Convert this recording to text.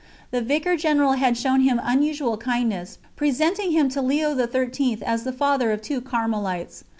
The Vicar General had shown him unusual kindness, presenting him to Leo XIII as the father of two Carmelites.